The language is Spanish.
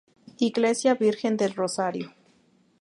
Iglesia Virgen del Rosario.